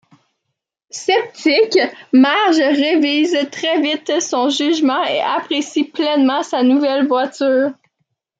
Sceptique, Marge révise très vite son jugement et apprécie pleinement sa nouvelle voiture.